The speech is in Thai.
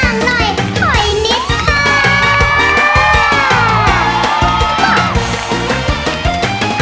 กล้าบบทเพลงห้างหน่อยถอยนิดค่ะ